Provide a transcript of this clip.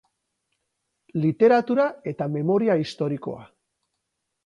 Literatura eta memoria historikoa.